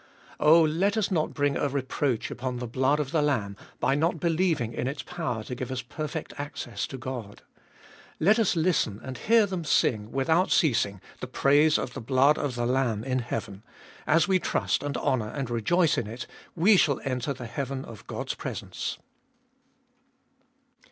Oh, let us not bring a reproach upon the blood of the Lamb by not believing in its power to give us perfect access to God. Let us listen and hear them sing without ceasing the praise of the blood of the Lamb in heaven ; as we trust and honour and rejoice in it we shall enter the heaven of God's presence.